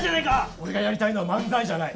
俺がやりたいのは漫才じゃない。